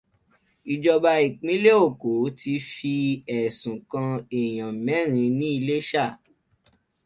Ìjọba ìpínlẹ̀ Èkó ti fi ẹ̀sùn kan èèyàn mẹ́rin ní Iléṣà